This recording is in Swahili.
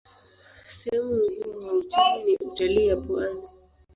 Sehemu muhimu wa uchumi ni utalii ya pwani.